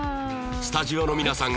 スタジオの皆さん